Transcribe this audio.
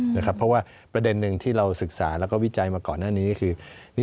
เพราะว่าประเด็นหนึ่งที่เราศึกษาแล้วก็วิจัยมาก่อนหน้านี้คือ